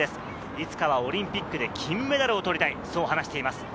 いつかはオリンピックで金メダルを取りたい、そう話しています。